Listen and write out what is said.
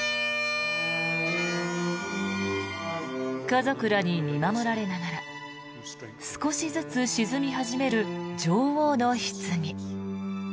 家族らに見守られながら少しずつ沈み始める女王のひつぎ。